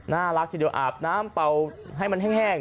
น่ารักทีเดียวอาบน้ำเป่าให้มันแห้ง